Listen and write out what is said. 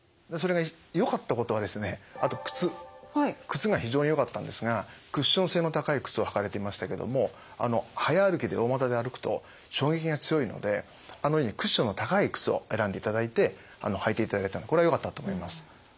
靴が非常によかったんですがクッション性の高い靴を履かれていましたけども早歩きで大股で歩くと衝撃が強いのであのようにクッションの高い靴を選んでいただいて履いていただいたこれはよかったと思います。